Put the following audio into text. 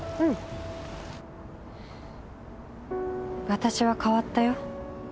私は変わったよ。